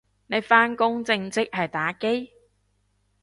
你返工正職係打機？